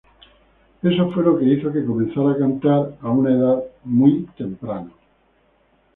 Eso fue lo que hizo que comenzara a cantar a una edad muy temprana.